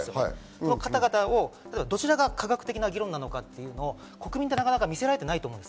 その方々をどちらが科学的な議論なのか、国民ってなかなか見せられていないと思う。